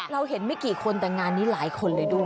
เราเห็นไม่กี่คนแต่งานนี้หลายคนเลยด้วย